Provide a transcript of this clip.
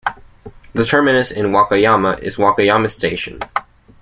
The terminus in Wakayama is Wakayama Station.